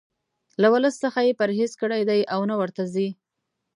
له ولس څخه یې پرهیز کړی دی او نه ورته ځي.